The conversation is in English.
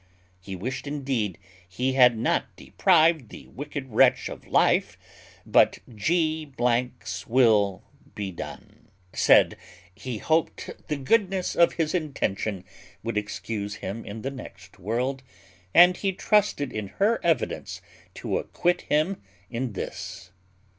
He wished indeed he had not deprived the wicked wretch of life, but G 's will be done;" said, "He hoped the goodness of his intention would excuse him in the next world, and he trusted in her evidence to acquit him in this."